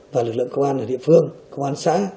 và lực lượng công an ở địa phương công an xã